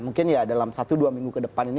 mungkin ya dalam satu dua minggu ke depan ini